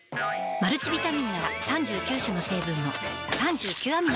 マルチビタミンなら３９種の成分の３９アミノ